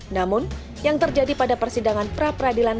namun yang terjadi pada persidangan pra peradilan